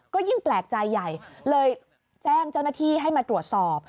ก็ยิ่งแปลกใจใหญ่เลยแจ้งเจ้าหน้าที่ให้มาตรวจสอบ